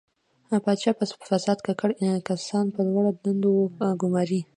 پاچا په فساد ککړ کسان په لوړو دندو ګماري.